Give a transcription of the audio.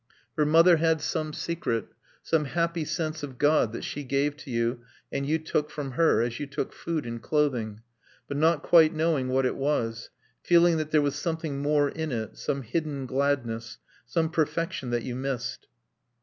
Her mother had some secret: some happy sense of God that she gave to you and you took from her as you took food and clothing, but not quite knowing what it was, feeling that there was something more in it, some hidden gladness, some perfection that you missed.